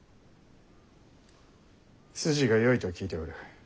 筋がよいと聞いておる。